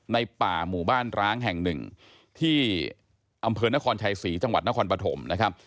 ในป่าหมู่บ้านร้างแห่งหนึ่งที่อำเภอนครชัยศรีจังหวัดนครปฐมนะครับ